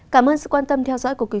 cảm ơn sự quan tâm theo dõi của quý vị